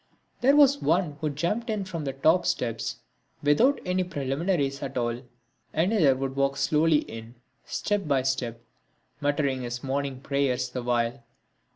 There was one who jumped in from the top steps without any preliminaries at all. Another would walk slowly in, step by step, muttering his morning prayers the while.